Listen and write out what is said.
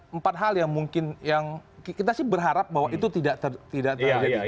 empat hal yang mungkin yang kita sih berharap bahwa itu tidak terjadi